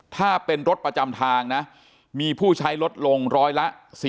ถ้าเป็นรถประจำทางนะมีผู้ใช้ลดลงร้อยละ๔๐